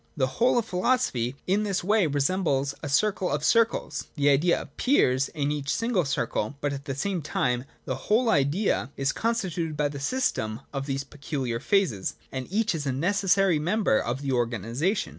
The whole of philosophy in this way resembles a circle of circles. The Idea ap 16 1 6.] AN ENCYCLOPAEDIA OF PHILOSOPHY. 25 pears in each single circle, but, at the same time, the whole Idea is constituted by the system of these pecu liar phases, and each is a necessary member of the organisation.